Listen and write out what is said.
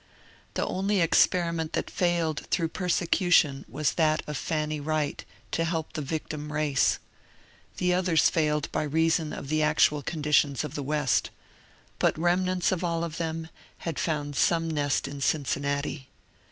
The only experiment that failed through persecution was that of Fanny Wright to help the victim race. The others failed by reason of the actual conditions of the West. But remnants of all of them had found some nest in Cincinnati.